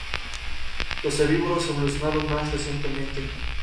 Los herbívoros evolucionaron más recientemente.